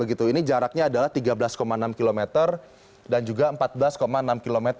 ini jaraknya adalah tiga belas enam km dan juga empat belas enam km